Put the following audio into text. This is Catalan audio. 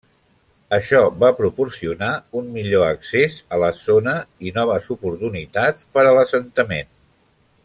Això va proporcionar un millor accés a la zona i noves oportunitats per a l'assentament.